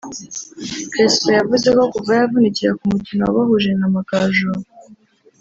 Crespo yavuze ko kuva yavunikira ku mukino wabahuje n’Amagaju